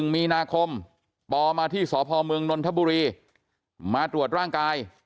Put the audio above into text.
๑มีนาคมปมาที่สพเมืองนนทบุรีมาตรวจร่างกาย